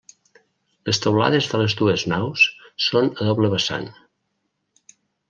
Les teulades de les dues naus són a doble vessant.